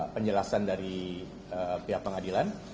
penjelasan dari pihak pengadilan